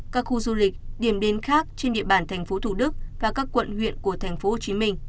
các khu du lịch điểm đến khác trên địa bàn tp thủ đức và các quận huyện của tp hcm